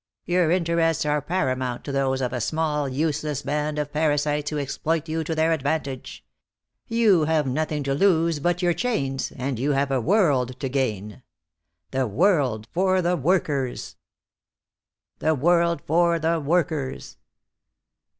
Your interests are paramount to those of a small, useless band of parasites who exploit you to their advantage. You have nothing to lose but your chains and you have a world to gain. The world for the workers."